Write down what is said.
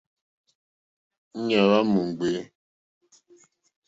Íɲá hwá mò ŋɡbè.